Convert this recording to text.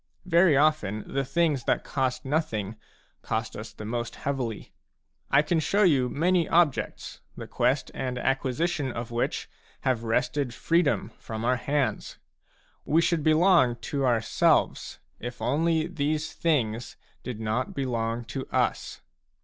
Very often the things that cost nothing cost us the most heavily ; I can show you many objects the quest and acquisition of which have wrested freedom from our hands. We should belong to our selves, if only these things did not belong to us.